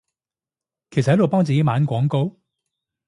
其實喺度幫自己賣緊廣告？